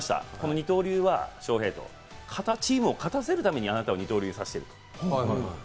二刀流は翔平とチームを勝たせるためにあなたに二刀流をやらせてる。